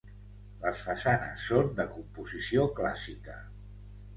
Les façanes són de composició clàssica.